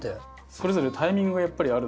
それぞれタイミングがやっぱりあるので。